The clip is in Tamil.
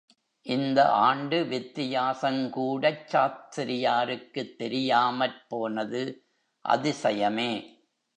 இந்த ஆண்டு வித்தியாசங் கூடச் சாஸ்தியாருக்குத் தெரியாமற் போனது அதிசயமே!